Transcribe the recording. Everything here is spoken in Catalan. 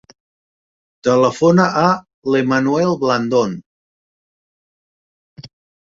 Telefona a l'Emanuel Blandon.